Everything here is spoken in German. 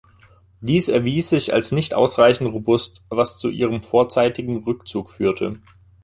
Dies erwies sich als nicht ausreichend robust, was zu ihrem vorzeitigen Rückzug führte.